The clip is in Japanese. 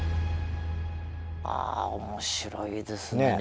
面白いですね。